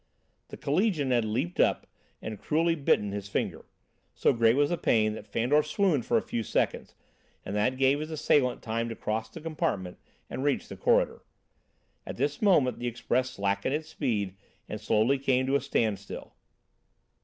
The collegian had leaped up and cruelly bitten his finger. So great was the pain that Fandor swooned for a few seconds, and that gave his assailant time to cross the compartment and reach the corridor. At this moment the express slackened its speed and slowly came to a standstill.